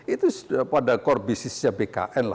itu sudah pada core businessnya bkn